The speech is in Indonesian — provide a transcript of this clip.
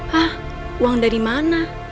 hah uang dari mana